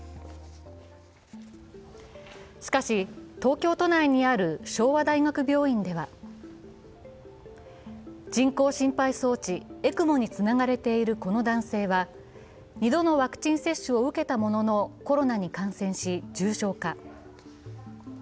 しかし、東京都内にある昭和大学病院では人工心肺装置ＥＣＭＯにつながれているこの男性は２度のワクチン接種を受けたもののコロナに感染し重症化。